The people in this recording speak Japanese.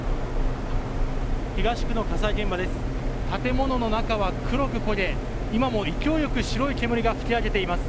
東区の火災現場です。